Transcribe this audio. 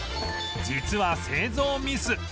実は製造ミス